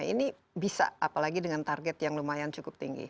ini bisa apalagi dengan target yang lumayan cukup tinggi